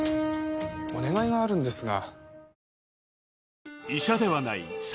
お願いがあるんですが。